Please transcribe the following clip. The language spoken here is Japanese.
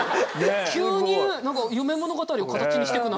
急に何か夢物語を形にしてくな。